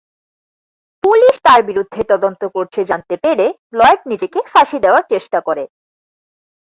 Police তার বিরুদ্ধে তদন্ত করছে জানতে পেরে লয়েড নিজেকে ফাঁসি দেওয়ার চেষ্টা করে।